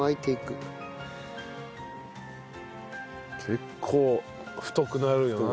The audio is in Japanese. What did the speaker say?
結構太くなるよな。